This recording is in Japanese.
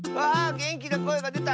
げんきなこえがでた！